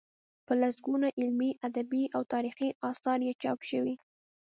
په لسګونو علمي، ادبي او تاریخي اثار یې چاپ شوي.